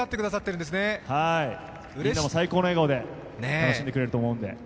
みんなも最高の笑顔で楽しんでくれると思うんで。